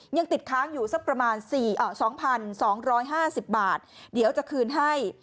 ยังติดค้างอยู่สักประมาณ๒๒๕๐บาทเดี๋ยวจะคืนให้